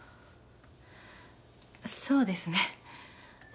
そうですね。